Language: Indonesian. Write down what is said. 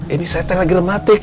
ini saya telegramatik